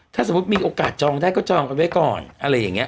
ถ้าสมมุติมีโอกาสจองได้ก็จองกันไว้ก่อนอะไรอย่างนี้